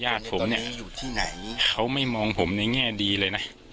ญาติผมเนี่ยอยู่ที่ไหนเขาไม่มองผมในแง่ดีเลยนะ